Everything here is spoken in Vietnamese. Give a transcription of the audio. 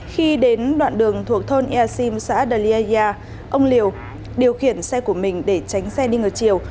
khi đến đoạn đường thuộc thôn easim xã daliaya ông liều điều khiển xe của mình để tránh xe đi ngược chiều